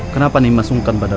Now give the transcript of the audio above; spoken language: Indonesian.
kenapa nih masungkan padaku